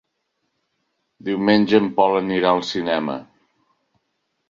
Diumenge en Pol anirà al cinema.